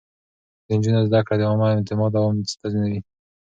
د نجونو زده کړه د عامه اعتماد دوام تضمينوي.